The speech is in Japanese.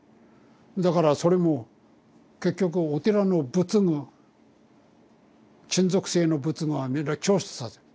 だからそれも結局お寺の仏具金属製の仏具はみんな供出させ。